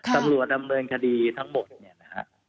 ตำรวจดำเนินคดีทั้งหมดเนี่ยนะฮะ